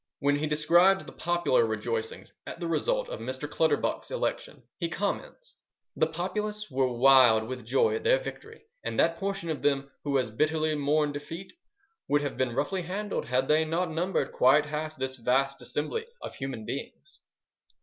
When he describes the popular rejoicings at the result of Mr. Clutterbuck's election, he comments: "The populace were wild with joy at their victory, and that portion of them who as bitterly mourned defeat would have been roughly handled had they not numbered quite half this vast assembly of human beings."